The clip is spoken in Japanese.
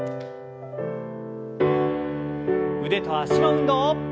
腕と脚の運動。